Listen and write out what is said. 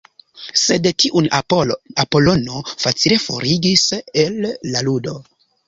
Sed tiun Apolono facile forigis el la ludo.